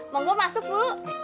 mau gue masuk bu